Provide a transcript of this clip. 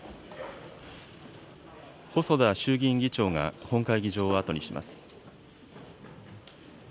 細田衆議院議長が本会議場を後にします。